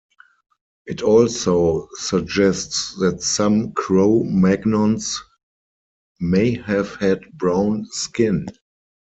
It also suggests that some Cro-Magnons may have had brown skin.